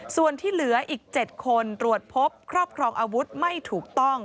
ส่วนที่เหลืออีก๗คนตรวจพบครอบครองอาวุธไม่ถูกต้อง